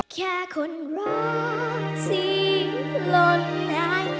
แค่คนรักที่หล่นหาย